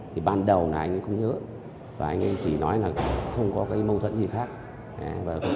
thì ban đầu là anh ấy không nhớ và anh ấy chỉ nói là không có cái mâu thuẫn gì khác